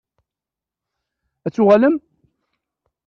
Ad d-tuɣalem?